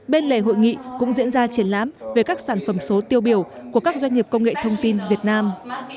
bên lề hội nghị cũng diễn ra triển lãm về các sản phẩm số tiêu biểu của các doanh nghiệp công nghệ thông tin việt nam